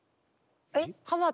えっ？